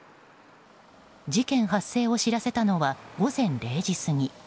事件発生を知らせたのは午前０時過ぎ。